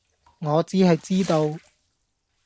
我只係知道